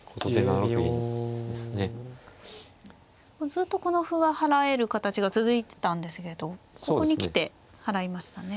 ずっとこの歩は払える形が続いてたんですけどここに来て払いましたね。